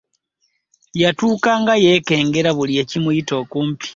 Yatuuka nag y'ekengera buli ekimuyita okumpi .